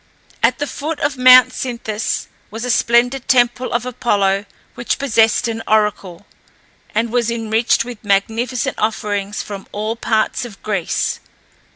At the foot of Mount Cynthus was a splendid temple of Apollo which possessed an oracle, and was enriched with magnificent offerings from all parts of Greece.